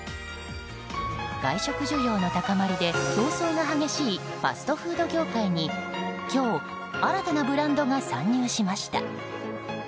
外食需要の高まりで競争が激しいファストフード業界に今日新たなブランドが参入しました。